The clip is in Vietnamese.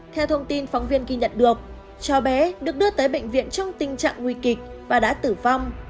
theo thông tin phóng viên ghi nhận được cháu bé được đưa tới bệnh viện trong tình trạng nguy kịch và đã tử vong